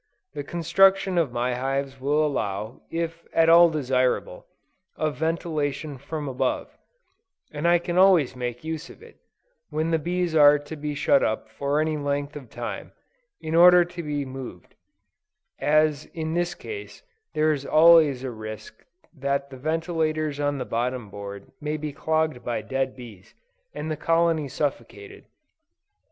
The construction of my hives will allow, if at all desirable, of ventilation from above; and I always make use of it, when the bees are to be shut up for any length of time, in order to be moved; as in this case, there is always a risk that the ventilators on the bottom board may be clogged by dead bees, and the colony suffocated.